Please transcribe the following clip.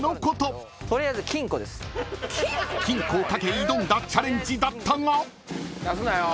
［金庫をかけ挑んだチャレンジだったが］